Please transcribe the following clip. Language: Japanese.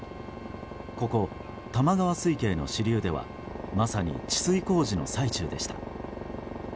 ここ多摩川水系の支流ではまさに治水工事の最中でした。